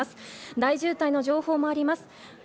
大渋滞の情報もあります。